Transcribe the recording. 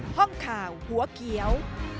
ห้องข่าวหัวเขียว